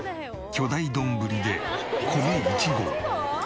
巨大丼で米１合。